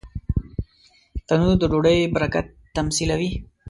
تنور د ډوډۍ برکت تمثیلوي